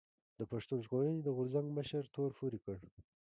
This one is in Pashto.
د پښتون ژغورنې د غورځنګ مشر تور پورې کړ